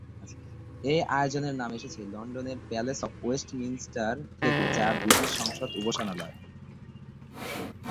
এই আয়োজনের নাম এসেছে লন্ডনের "প্যালেস অফ ওয়েস্টমিনস্টার" থেকে, যা ব্রিটিশ সংসদ উপাসনালয়।